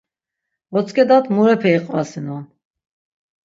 Votzǩedat murepe iqvasinon.